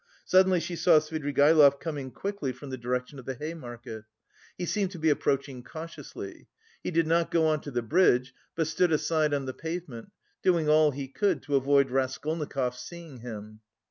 Suddenly she saw Svidrigaïlov coming quickly from the direction of the Hay Market. He seemed to be approaching cautiously. He did not go on to the bridge, but stood aside on the pavement, doing all he could to avoid Raskolnikov's seeing him.